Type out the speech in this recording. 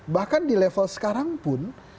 bahkan di level sekarang pun